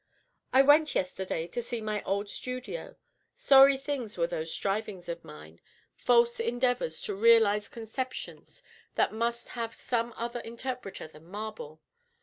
I went yesterday to see my old studio: sorry things were those strivings of mine, false endeavors to realize conceptions that must have some other interpreter than marble.